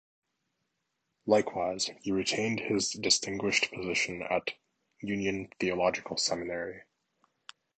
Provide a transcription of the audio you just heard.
Likewise he retained his distinguished position at Union Theological Seminary.